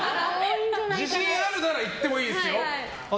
自信があるならいっていいですよ。